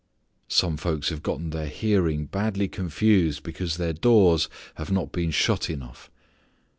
Some folks have gotten their hearing badly confused because their doors have not been shut enough.